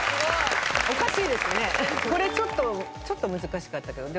これちょっとちょっと難しかったけど。